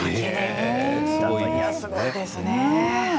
すごいですね。